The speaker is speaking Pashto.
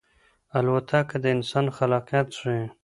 الوتکه د انسان خلاقیت ښيي.